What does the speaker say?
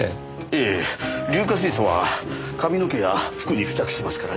ええ硫化水素は髪の毛や服に付着しますからね。